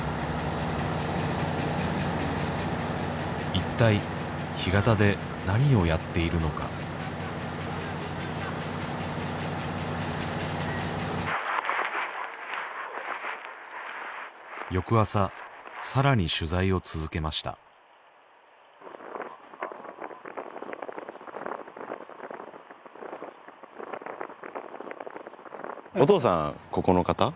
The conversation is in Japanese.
一体干潟で何をやっているのか翌朝更に取材を続けましたおとうさんここの方？